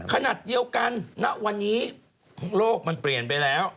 ขนาดเดียวกันณวันนี้โลกมันเปลี่ยนไปแล้ว